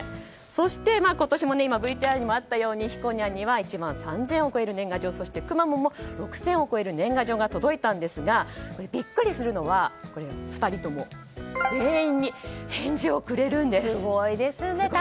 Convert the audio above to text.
そして今年も今ＶＴＲにもあったようにひこにゃんには１万３０００を超える年賀状そして、くまモンも６０００を超える年賀状が届いたんですがビックリするのは２人ともすごいですね！